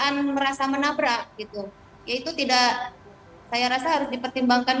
mohon maaf mbak tidak ada pernyataan merasa menabrak itu itu tidak saya rasa harus dipertimbangkan